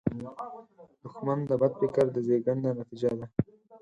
دښمن د بد فکر د زیږنده نتیجه ده